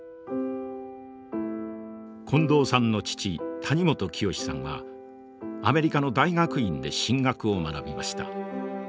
近藤さんの父谷本清さんはアメリカの大学院で神学を学びました。